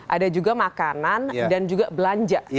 ada juga makanan dan juga belanja